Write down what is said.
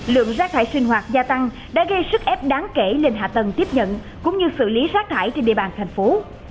lượng rác thải sinh hoạt gia tăng đã gây sức ép đáng kể lên hạ tầng tiếp nhận cũng như xử lý rác thải trên địa bàn thành phố